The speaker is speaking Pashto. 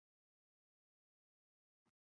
که سړک وي نو سفر نه اوږدیږي.